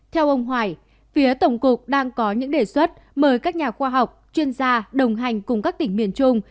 theo ông hoài phía tổng cục đang có những đề xuất mời các nhà khoa học chuyên gia đồng hành cùng các tỉnh miền trung